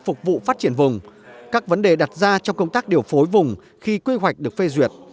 phục vụ phát triển vùng các vấn đề đặt ra trong công tác điều phối vùng khi quy hoạch được phê duyệt